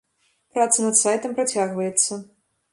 Праца над сайтам працягваецца.